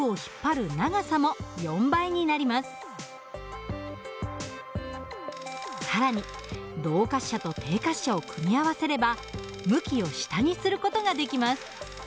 同時に更に動滑車と定滑車を組み合わせれば向きを下にする事ができます。